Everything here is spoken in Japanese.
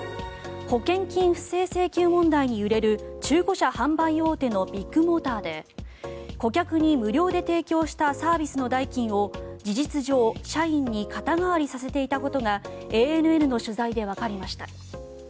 保険金不正請求問題に揺れる中古車販売大手のビッグモーターで顧客に無料で提供したサービスの代金を事実上、社員に肩代わりさせていたことがＡＮＮの取材でわかりました。